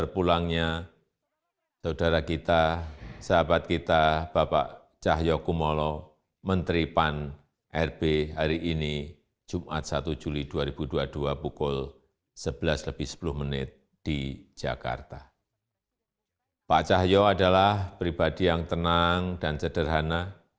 pak cahyo adalah pribadi yang tenang dan cederhana